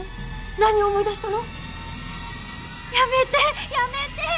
何を思い出したの？